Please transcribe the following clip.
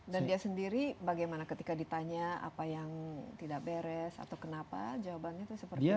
dan dia sendiri bagaimana ketika ditanya apa yang tidak beres atau kenapa jawabannya itu seperti